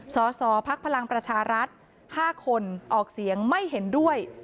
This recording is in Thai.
สสพลังประชารัฐ๕คนออกเสียงไม่เห็นด้วย